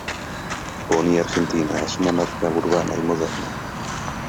Pony Argentina es una marca urbana y moderna.